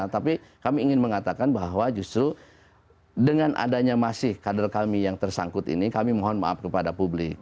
tapi kami ingin mengatakan bahwa justru dengan adanya masih kader kami yang tersangkut ini kami mohon maaf kepada publik